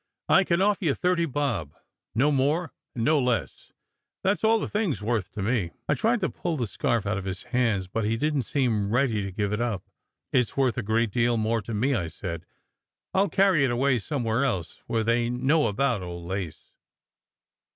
"I can offer you thirty bob, no more and no less. That s all the thing s worth to me." I tried to pull the scarf out of his hands, but he didn t seem ready to give it up. " It s worth a great deal more to me," I said. "I ll carry it away somewhere else, where they know about old lace."